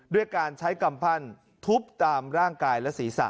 ด้วยการใช้กำปั้นทุบตามร่างกายและศีรษะ